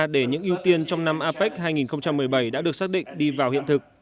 để những ưu tiên trong năm apec hai nghìn một mươi bảy đã được xác định đi vào hiện thực